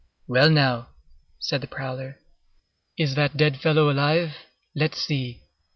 "Well now," said the prowler, "is that dead fellow alive? Let's see."